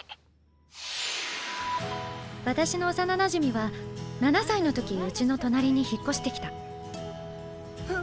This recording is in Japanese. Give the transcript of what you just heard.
私の幼なじみは７歳の時うちの隣に引っ越してきたフン！